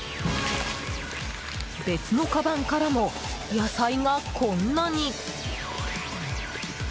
別のかばんからも野菜が、こんなに！